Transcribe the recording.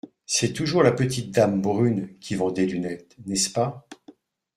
C’est toujours la petite dame brune qui vend des lunettes, n’est-ce pas ?